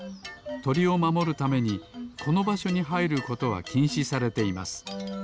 とりをまもるためにこのばしょにはいることはきんしされています。